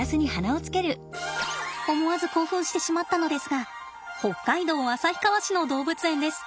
思わず興奮してしまったのですが北海道旭川市の動物園です。